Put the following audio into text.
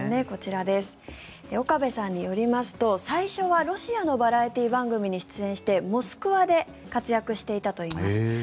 こちら岡部さんによりますと最初はロシアのバラエティー番組に出演してモスクワで活躍していたといいます。